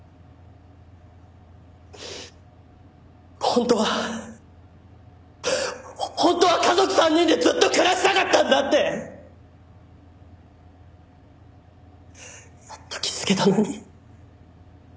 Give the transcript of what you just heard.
本当は本当は家族３人でずっと暮らしたかったんだってやっと気づけたのに。